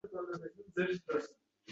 Mukofotlar o‘z egalariga topshirildi